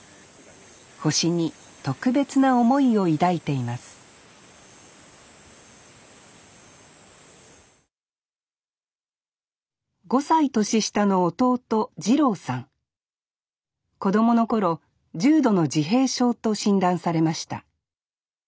星に特別な思いを抱いています５歳年下の弟子供の頃重度の自閉症と診断されました。